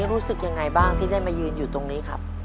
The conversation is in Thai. รู้สึกยังไงบ้างที่ได้มายืนอยู่ตรงนี้ครับ